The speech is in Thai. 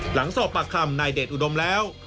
หลังสอบปากคำนายเดชอุดมแล้ว